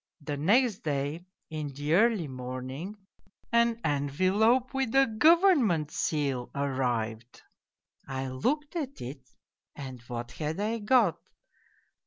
The next day, in the early morning, an envelope with a government seal arrived. I looked at it and what had I got